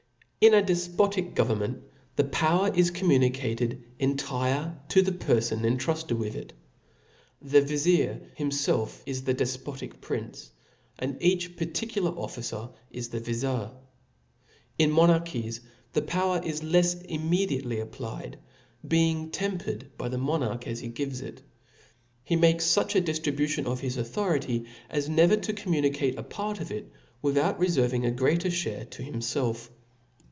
TN a defpotic government the power is cbmfnu* •■• nicated entire to the perfon intruded with it. The vizir himfclf is the defpotic prince; and each particular officer is the vizir. In monarchies the power is Icfs immediately applied ; being temper ed by the monarch as he gives it. . He makes fuch a diftribution of his authority, as never to com municate a part of it, without referving a greater . fliare to himfelf..